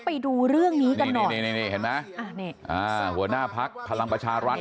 ไปดูเรื่องนี้กันหน่อยหัวหน้าพักพลังประชารัฐ